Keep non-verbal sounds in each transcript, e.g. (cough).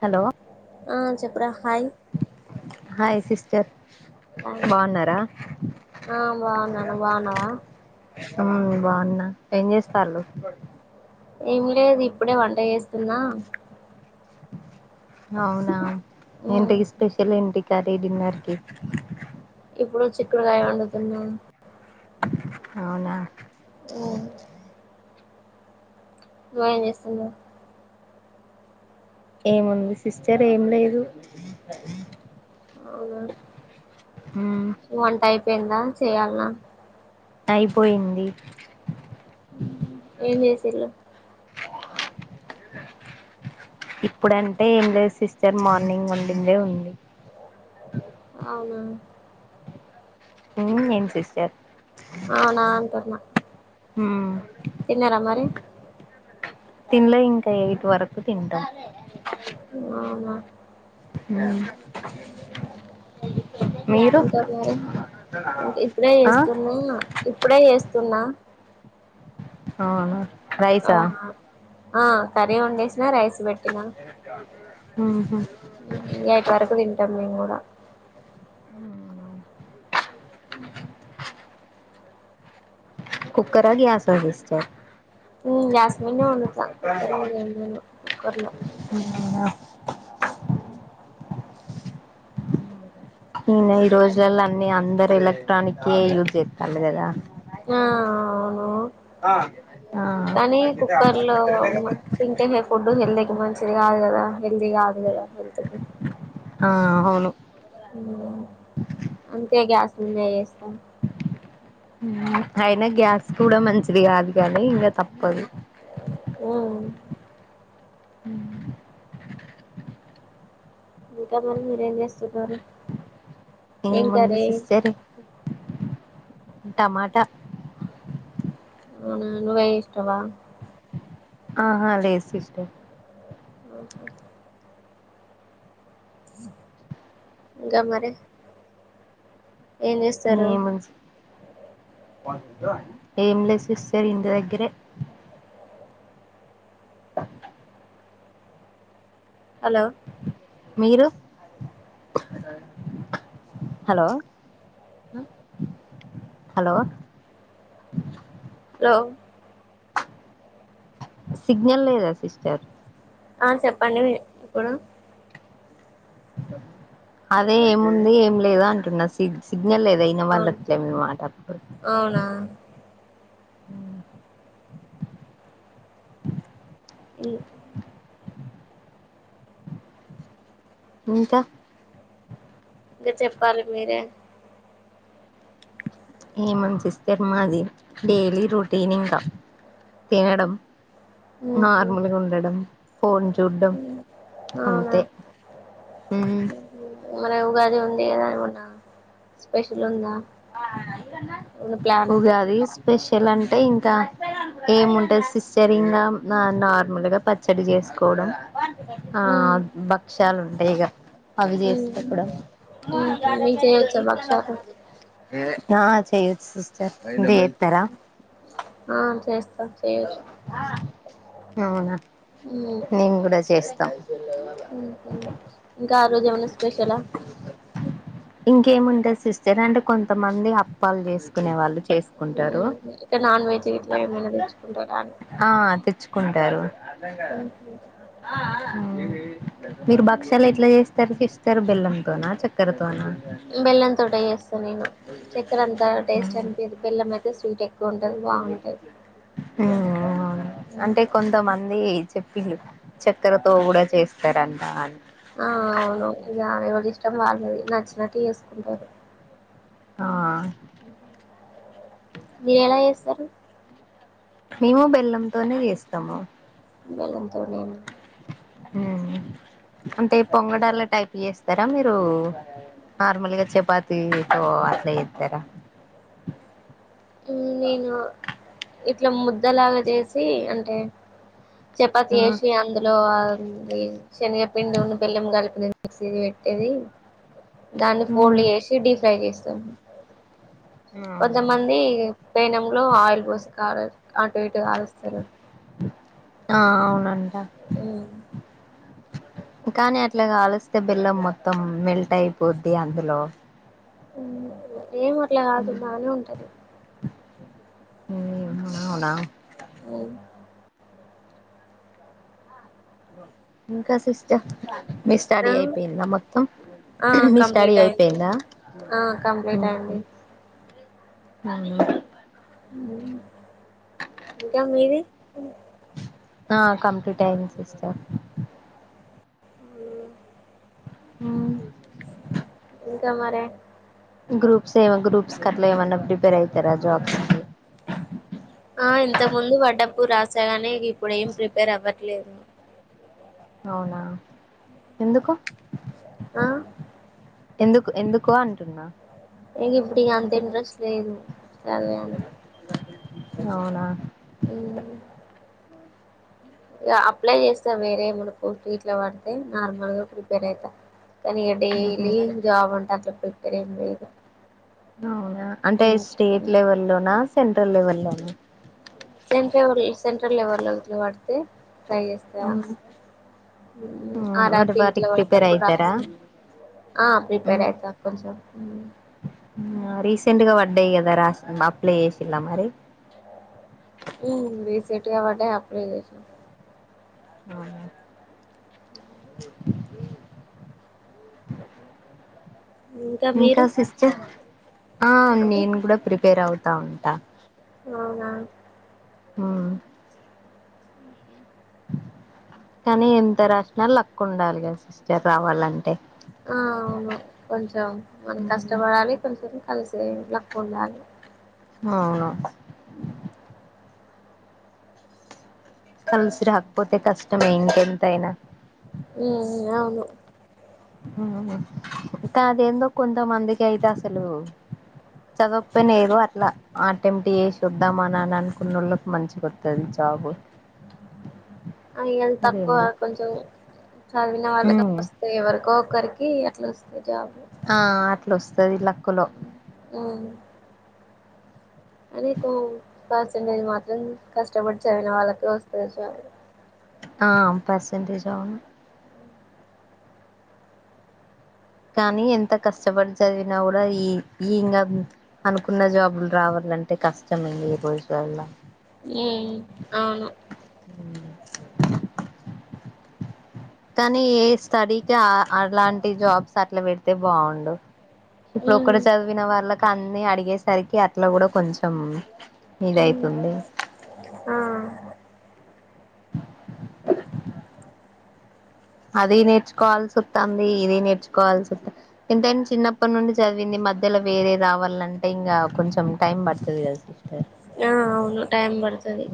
Hello అ చెప్పు రా హి హాయ్ సిస్టర్ ఆ బాగున్నారా ఆ బాగున్నాను నువ్వు బాగున్నావా ఉమ్ బాగున్నా ఏం చేస్తుండ్ల ఏం లేదు ఇప్పుడే వంట చేస్తున్న అవునా ఉమ్, ఎంటి స్పెషల్ ఏంటి కర్రి డిన్నర్ కి ఇప్పుడు చిక్కుడుకాయ వండుతున్నా అవునా ఉమ్, నువ్వేం చేస్తున్నావ్ ఏముంది సిస్టర్ ఏం లేదు అవునా మ్మ్ వంట అయిపోయి రా చేయాల అ అయిపోయింది ఏం చేసిల్లు ఇప్పుడంటే ఏం లేదు సిస్టర్ మార్నింగ్ వండిందే ఉంది అవునా ఉం ఏం సిస్టర్ ఆ న అంటున్న ఉం తిన్లే ఇంకా ఎయిట్ వరకు తింటం అవునా మ్ ఇంకా మరి ఇప్పుడే ఆ చేస్తున్నా ఇప్పుడే ఏస్తున్నా అవునా ఆ రైసా ఆ కర్రీ వండేసినా రైస్ పెట్టినా మ్మ్ హు ఎయిట్ వరకు తింటం మేము గూడా ఉ కుక్కర్ ఆ గ్యాస్ ఆ సిస్టర్ మ్ గ్యాస్ మీదనే ఒండుతా కుక్కర్ మీద వండను కుక్కర్ లో అవునా, మ్ న ఈ రోజులల్ల అన్నీ అందరు ఎలక్ట్రానిక్ ఏ యూజ్ జేత్తాల్లు కదా ఆ అవును ఆ కానీ కుక్కర్ లో తింటేే ఫుడ్ హెల్త్ కి మంచిది కాదు కదా హెల్తీ కాదు కదా హెల్త్ కి ఆ అవును హమ్ అంతే గ్యాస్ ఎంజాయ్ చేస్తాం మ్ అయినా గ్యాస్ కూడా మంచిది కాదు కానీ ఇంకా తప్పదు మ్ హ్మ్ ఇంకా మరి మీరేం చేస్తున్నారు ఏం ఉంది సిస్టర్ టమాటా అవునా నువ్వే ఇష్టవా ఆహా లేదు సిస్టర్ ఆహా ఇంకా మరి ఏం చేస్తారు ఏముంది ఏం లేదు సిస్టర్ ఇంటి దగ్గరే అలో మీరు? అలో సిగ్నల్ లేదా సిస్టర్ ఆ చెప్పండి ఇప్పుడు అదే ఏం ఉంది ఏం లేదు అంటున్నా సి సి లేదు లేదు అవును వినబడట్లే మీ మాటలు అవునా ఇ ఇంకా కా చెప్పాలి మీరే ఏముంది సిస్టర్ మాది డైలీ రోటీన్ ఇంకా తినడం ఉహు నార్మల్గా ఉండడం ఫోన్ చూడ్డం అవునా అంతే హ్ మన ఉగాది ఉండే కదా ఏమన్నా స్పెషల్ ఉందా ఏమన్నా ప్లాన్ ఉగాది స్పెషల్ అం టే ఇంకా ఏముంటది సిస్టర్ ఇంగ నార్మల్గా పచ్చడి చేసుకోవడం. ఆ ఉమ్, బక్ష ల్ ఉంటాయి ఇగ అవి చేస్త ఉమ్, ఇప్పుడు ఉమ్, మీకు చేయొచ్చా భక్షాలు ఆ చేయచ్చు సిస్టర్ ఉంటే చేత్తరా ఆ చేస్తా చేయచ్చు అవునా ఉమ్ మేము కూడా చేస్తాం హ్ హ్ ఇంకా ఆ రోజు ఏమన్న స్పెషలా ఏముంటది. సిస్టర్ అంటే కొంతమంది అప్పాలు చేసుకునే వాళ్ళు చేసుకుంటారు హు ఇక నాన్ వెజ్ గిట్ల ఏమన్న తెచ్చుకో ఆ తెచ్చు కుంటరు ఉమ్, ఉ మీరు భక్షలు ఎట్లా చేస్తారు సిస్టర్ ర్ బెల్లంతోన, చెక్కరతోనా బెల్లం తోటే చేస్తా నేను చక్కెర అంతా టేస్ట్ అనిపియ్యది బెల్లం అయితే సూ హ్ హు అంటే కొంతమంది చెప్పి ప్పిళ్ళు చక్కెరతో కూడా చేస్తారంట అని ఆ అవును ఇగ ఎవలి ఇస్ ష్టం వాళ్ళది నచ్చినట్లు చేసుకుంటారు. ఆ మీరెల చేస్తరు మేము బెల్లంతోనే చేస్తము బెల్లంతోనే ఉమ్ అంటే పొంగడాల టైప్ చేస్తార మీరు నార్మల్గా చపాతి తో అట్ల జేత్తర నేను ఆ ఇట్ల ముద్దలాగా చేసి అంటే చపాతి ఆ ఏశి అందులో ఆ.. ప్లీజ్ శనిగ పిండి ఉన్న బెల్లం గల్పింది నీ సీది వెట్టేది దాన్ని ఉమ్ ఫోల్డ్ జేసి డిఫ్రై జేస్త టం అవునా కొంతమంది పెనం లో ఆయిల్ పోసు కారు అటు ఇటు కాలుస్తారు ఆ అవునంట ఊ కాని అట్ల కాలిస్తే బెల్లం మొత్తం మెల్ట్ అయిపోద్ది అందులో ఉ.. ఉ ఏము అట్ల కాదు బానే ఉంటది అ.. అవునా అవు ఇంకా సిస్ట మీ స్టడీ ఆ, అయిపోయిందా మొత్తం ఆ, హు.. హు.. మీ స్టడీ కంప్లీట్ అయింది అయిపోయిందా ఆ, కంప్లీట్ అ.. అయింది ఇంకా మీది ఆ కంప్యూటర్ అయ్యింది సిస్టర్ ఉహ ఇంకా మరే గ్రూప్స్ ఏమ గ్రూప్స్ కట్లా ఏమన్నా ప్రిపేర్ అయితారా జాబ్స్కి ఆ ఇంతకు ముందు వడ్డప్పు రాసాగానీ ఇప్పుడు ఏం ప్రిపేర్ అవ (inaudible) అవునా ఎందుకు ఆ ఎందుకు ఎందుకో అంటున్నా ఎక ఇప్పుటి అంత అంటే ఇంట్రెస్ట్ లేదు చదివే అంత అవునా ఉ ఇక అప్లై చేస్తా వేరే మడు కో ఇట్లా పడితే నార్మల్గా ప్రిపేర్ అయిత తనీ ఉహు. డైలీ జాబ్ అంటా ఇకర అవునా అంటే స్టేట్ లెవెల్ లోనా సెంట్రల్ లెవెల్ లోన సెంట్రల్ వైస్ సెంట్రల్ లవెల్లో ఉద్యోగాలు (unintelligible) ట్రై చేస్తా ఆ మరి రాపీ ఇట్లో వాటికి ప్రిపేర్ పెట్టేప్పుడు అయితారా హ ప్రిపేర్ అవుతాను కొంచెం రీసెంట్ గా పడ్డాయి కదా లాస్ట్ అప్లై చేసిలా మరి రీసెంట్ గా పడ్డాయి అప్లై చేసినం ఆ ఇంకా సిస్టర్ ఆ అ నేను కూడా ప్రిపేర్ అవు తా ఉంటా అవునా ఆ కానీ ఎంత రాసిన లక్కు ఉండాలి కదా సిస్టర్ రావాలంటే ఆ అవును కొంచెం మనం కష్టపడాలి కొంచెం కలిసే లక్ ఉండాలి అవును ఉ కలసి రాకపోతే కష్టమే ఇంకెంత అయినా ఉ అవును ఇంకా అదేందో కొంతమందికి అయితే అసలు చదకపోయినా ఏదో అట్లా ఆటెంట్ చే సొద్దామ అని అనుకున్నళ్ళు ఆ ఇగ తక్కువ అదేందో కొంచం చదివిన వాళ్ళకి వస్తాయి ఎవరికో ఒకరికి అట్లా వస్తాయి జాబ్లు ఆ వస్తది లక్కులో ఊ అదేంటో పర్సంటేజ్ మాత్రం కష్టపడి చదివిన వాళ్ళకి వస్తుంది చాలు ఆ పర్సెంటేజ్ అవును కానీ ఎంత కష్టపడి చదివినా కూడా ఈ ఈ ఇంగా అనుకున్న జాబులు రావాలంటే కష్టమండి ఈ రోజు వల్లా ఈ అవును కానీ ఏ స్టడీకి అ అలాంటి జాబ్స్ అట్లా పెడితే బాగుండు ఇప్పుడు మ్మ్ ఒకటి చదివిన వాళ్ళకి అం అన్ని అడిగేసరికి అట్లా కూడా కొంచెం ఇం ఇదయితుంది ఆ అది నేర్చుకోవాల్సి వస్తుంది ఇది నేర్చుకోవాల్సి వస్తాంది ఎంతయినా చిన్నప్పటి నుండి చదివింది మధ్యలో వేరే రావాలంటే ఇంకా కొంచెం టైం పడుతుంది కదా సిస్టర్ ఆ అవును టైం పడతది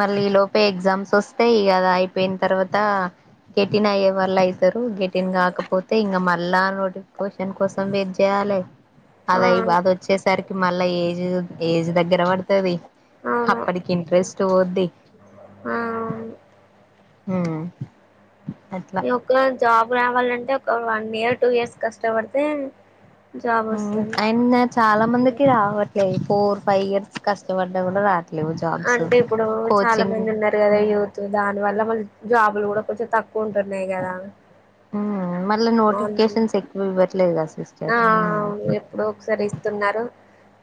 మళ్ళీ ఈ లోపే ఎగ్జామ్స్ వస్తాయి ఇగా అయిపోయిన తర్వాత గెటిన్ అయ్యే వాళ్ళు అవుతారు గెటిన్ కాకపోతే ఇంకా మళ్ళా నోటిఫికేషన్ కోసం వెయిట్ చేయాలే ఆ అది అది వచ్చేసరికి మళ్ళా ఏజ్ ఏజ్ దగ్గర పడుతుది అవును అప్పటికి ఇంట్రెస్ట్ పోద్ది ఆ అవును ఊ ఈ ఒక్క జాబ్ రావాలంటే ఒక వన్ ఇయర్ టూ ఇయర్స్ కష్టపడితే జాబ్ వస్తది అయినా చాలా మందికి రావట్లేదు ఫోర్ ఫైవ్ ఇయర్స్ కష్టపడ్డా కూడా రాదు అంటే ఇప్పుడు చాలా మంది ఉన్నారు కదా యూత్ దాని వల్ల మళ్ళ జాబులు కూడా కొంచెం తక్కువే మళ్ళా అవును నోటిఫికేషన్స్ ఎక్కువ పెట్టలేదు కాదా ఆ అవును ఎప్పుడు ఒకసారి ఇస్తున్నారు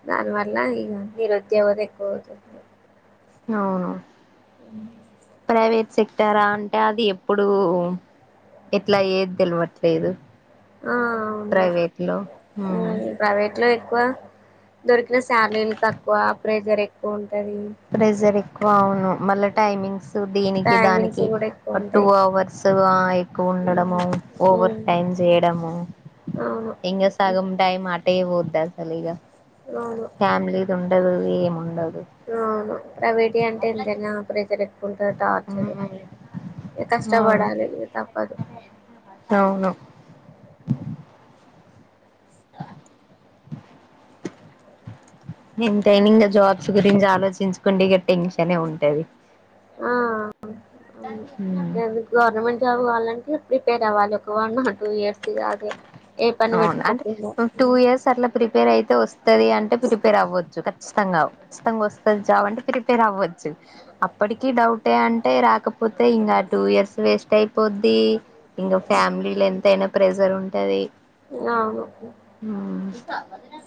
దానివల్ల ఈ నిరుద్యోగుత ఎక్కువ అవుంది అవును ప్రైవేట్ చెప్పురందే అంటే అది ఎప్పుడూ ఎట్లా ఏది తెలువట్లేదు ఆ అవును ప్రైవేట్ లో తక్కువ దొరికిన శాలరీలు తక్కువ ప్రెజర్ ఎక్కువ ఉంటుంది ప్రెజరింగ్ అవును మళ్ళా టైమింగ్స్ దీనికి టైమింగ్స్ దానికి కూడా ఎక్కువ టూ ఉంటాయి అవర్స్ ఎక్కువ ఉండడము ఉమ్, ఓవర్ ఉమ్, టైమ్ చేయడము అవును ఇంకా సగం టైం ఆ తేవద్దు అస్సలు ఇగా అవును ఫ్యామిలీద ఉ ఉండదు అవును ప్రైవేటీ అంటే ఎంతైనా ప్రెజర్ ఎక్కువ ఉంటారు టార్చర్ ఉమ్ ఇ అవును కష్టపడాలి ఇ తప్పదు అవును ఎ టైన్ ఇంకా జాబ్స్ గురించి ఆలోచించుకోండి ఇక టెన్షన్ ఉంటది ఉమ్ ఆది గవర్నమెంట్ జాబ్ కావాలంటే ప్రిపేర్ అవ్వాలి ఒక వన్ ఆర్ టూ ఇయర్స్ కాద అవును అంటే టూ ఇయర్స్ అట్లా ప్రిపేర్ అయి వస్తే వస్తుది అంటే ప్రిపేర్ అవ్వచ్చు ఖచ్చితంగా ఖచితంగా వస్తుంది జాబ్ అంటే ప్రిపేర్ అవ్వచ్చు అప్పటికిీ డౌటే అంటే రాకపోతే ఇంకా టూ ఇయర్స్ వేస్ట్ అయిపోద్ది ఇంకా ఫ్యామిలీలో ఎంతైనా ప్రెజర్ ఉంట అది ఆ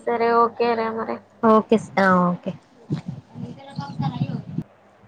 సరే ఓకే అరే మర ఓకే ఓకే